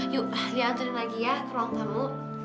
yuk liat anturin lagi ya ke ruang tamu